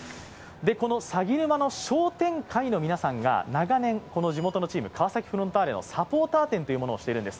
この鷺沼の商店会の皆さんが長年、地元のチーム、川崎フロンターレのサポーター店というものをしているんです。